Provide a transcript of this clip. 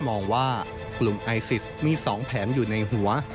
มองว่ากลุ่มไอซิสมี๒แผนอยู่ในหัว